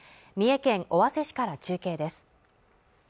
重県尾鷲市から中継です